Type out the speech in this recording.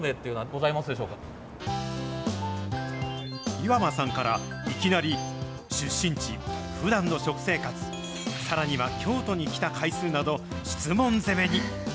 岩間さんから、いきなり出身地、ふだんの食生活、さらには京都に来た回数など、質問攻めに。